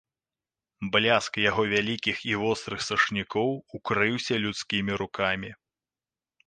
Бляск яго вялікіх і вострых сашнікоў укрыўся людскімі рукамі.